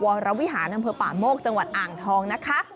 วรวิหารอำเภอป่าโมกจังหวัดอ่างทองนะคะ